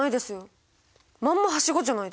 まんまはしごじゃないですか。